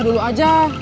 bersah dulu aja